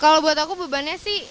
kalau buat aku bebannya sih